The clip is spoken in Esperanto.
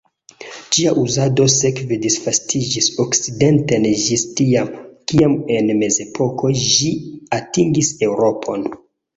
Ĝia uzado sekve disvastiĝis okcidenten ĝis tiam, kiam en Mezepoko ĝi atingis Eŭropon.